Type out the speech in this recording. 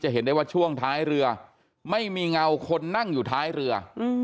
เห็นได้ว่าช่วงท้ายเรือไม่มีเงาคนนั่งอยู่ท้ายเรือ